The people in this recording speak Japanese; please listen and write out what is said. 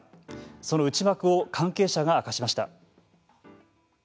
その内幕を関係者が明かしました。